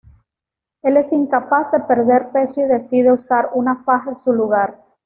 Él es incapaz de perder peso y decide usar una faja en su lugar.